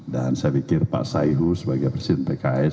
dan saya pikir pak saeho sebagai presiden pki